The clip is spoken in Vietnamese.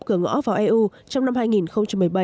cửa ngõ vào eu trong năm hai nghìn một mươi bảy